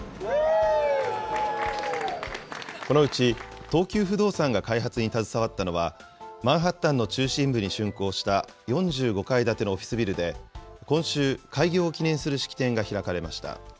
このうち東急不動産が開発に携わったのは、マンハッタンの中心部にしゅんこうした４５階建てのオフィスビルで、今週、開業を記念する式典が開かれました。